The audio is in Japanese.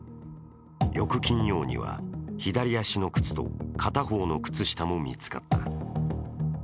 翌金曜には、左足の靴と片方の靴下も見つかった。